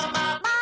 あ！